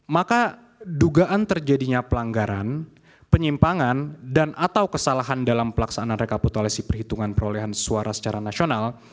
maka dugaan terjadinya pelanggaran penyimpangan dan atau kesalahan dalam pelaksanaan rekapitulasi perhitungan perolehan suara secara nasional